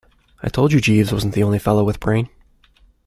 I told you Jeeves wasn't the only fellow with brain.